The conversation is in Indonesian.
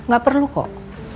gak perlu kok